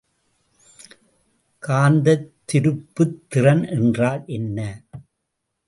காந்தத்திருப்புத் திறன் என்றால் என்ன?